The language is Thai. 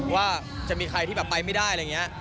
ว่าจะมีใครที่แบบไปไม่ได้อะไรอย่างนี้